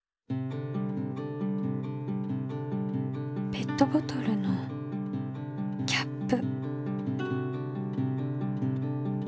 ペットボトルのキャップ。